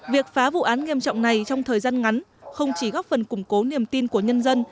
việc phá vụ án nghiêm trọng này trong thời gian ngắn không chỉ góp phần củng cố niềm tin của nhân dân